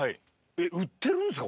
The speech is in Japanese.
えっ売ってるんですか？